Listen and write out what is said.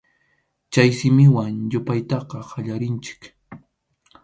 Chay simiwan yupaytaqa qallarinchik.